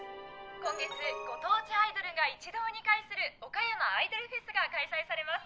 「今月ご当地アイドルが一堂に会する岡山アイドルフェスが開催されます」